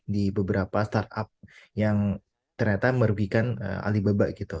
di beberapa startup yang ternyata merugikan alibaba gitu